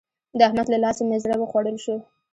د احمد له لاسه مې زړه وخوړل شو.